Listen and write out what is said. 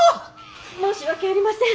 申し訳ありません！